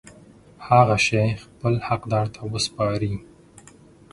هغه شی خپل حقدار ته وسپاري.